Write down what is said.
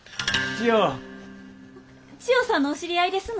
千代さんのお知り合いですの？